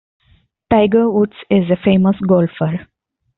Tiger Woods is a famous golfer.